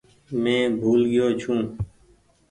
مين بهول گئيو ڇو۔